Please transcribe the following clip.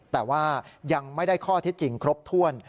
แต่ว่ายังไม่ได้ข้อเท็จจริงครบถ้วน